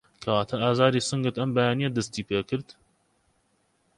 کەواته ئازاری سنگت ئەم بەیانیه دستی پێکرد